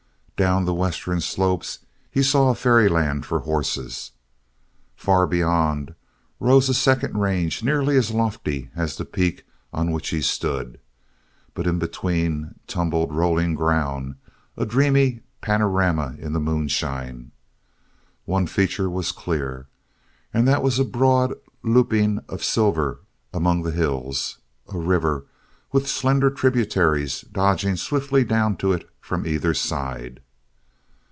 Down the Western slopes he saw a fairyland for horses. Far beyond rose a second range nearly as lofty as the peak on which he stood, but in between tumbled rolling ground, a dreamy panorama in the moonshine. One feature was clear, and that was a broad looping of silver among the hills, a river with slender tributaries dodging swiftly down to it from either side.